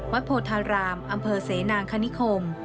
โพธารามอำเภอเสนางคณิคม